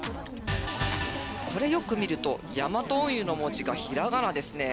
これ、よく見ると「やまとうんゆ」の文字がひらがなですね。